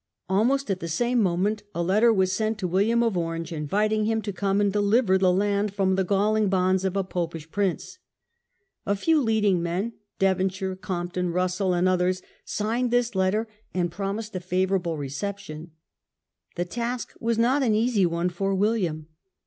Almost at the same moment a letter was sent to William of Orange, inviting him to come and deliver the >yiiiiamin. land from the galling bonds of a Popish Ifere. June 30, Prince. A few leading men, Devonshire, 1688. ' Compton, Russell, and others, signed this letter and promised a favourable reception. The task was not an easy one for William.